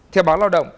thiên báo lao động